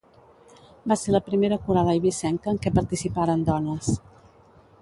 Va ser la primera coral eivissenca en què participaren dones.